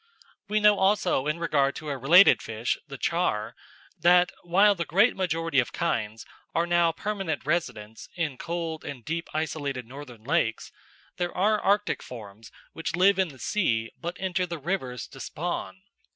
We know also in regard to a related fish, the char, that while the great majority of kinds are now permanent residents in cold and deep, isolated northern lakes, there are Arctic forms which live in the sea but enter the rivers to spawn.